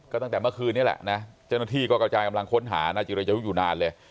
ก็ตั้งแต่เมื่อคืนนี้แหละนะเจ้าหน้าที่ก็กระจายกำลังค้นหานายจิรายุอยู่นานเลย